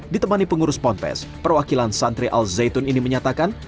ditemani pengurus ponpes perwakilan santri al zaitun ini menyatakan